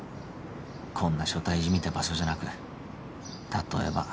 こんな所帯じみた場所じゃなく例えば